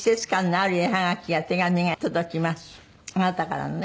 あなたからのね。